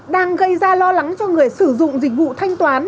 đang gây ra lo lắng cho người sử dụng dịch vụ thanh toán